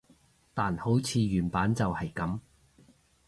但好似原版就係噉